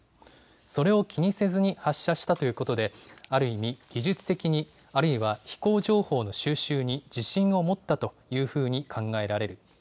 それを気にせずに発射したということで、ある意味、技術的に、あるいは飛行情報の収集に自信を持ったというふうに考えられる。